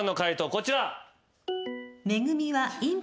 こちら。